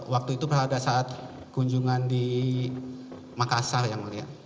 waktu itu pada saat kunjungan di makassar yang mulia